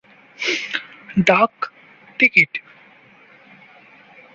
ডাক টিকিট